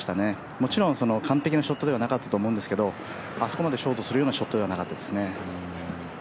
もちろん完璧なショットではなかったと思うんですけどあそこまでショートするようなショットじゃなかったですね。